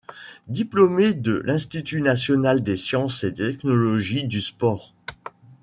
Diplômé de l’Institut national des sciences et technologies du sport.